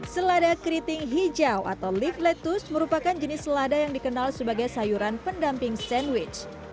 selada keriting hijau atau lift lettuce merupakan jenis selada yang dikenal sebagai sayuran pendamping sandwich